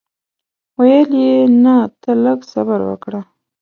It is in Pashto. ویل یې نه ته لږ صبر وکړه.